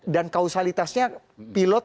dan kausalitasnya pilot